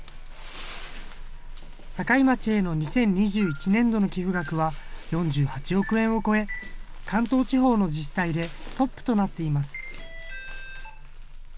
境町への２０２１年度の寄付額は４８億円を超え、関東地方の自治体でトップとなっています。